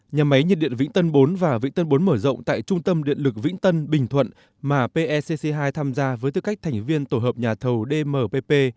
nhà máy nhiệt điện vĩnh tân bốn và vĩnh tân bốn mở rộng tại trung tâm điện lực vĩnh tân bình thuận mà pecc hai tham gia với tư cách thành viên tổ hợp nhà thầu dmpp